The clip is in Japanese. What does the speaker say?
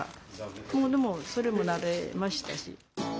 もうでもそれも慣れましたし。